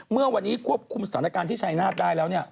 เมื่อวันนี้ควบคุมสถานการณ์ที่ชายนาฏได้แล้ว